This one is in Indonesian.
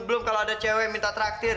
belum kalau ada cewek minta traktir